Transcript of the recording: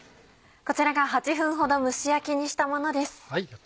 こちらが８分ほど蒸し焼きにしたものです。